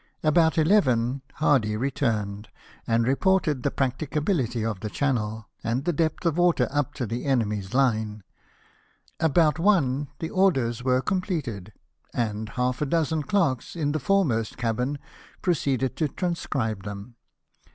About eleven Hardy returned, and reported the practicabiUty of the channel, and the depth of water up to the enemy's line. About one the orders were completed, and half a dozen clerks, in the foremost cabin, pro ceeded to transcribe them.